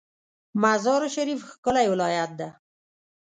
مزار شریف ښکلی ولایت ده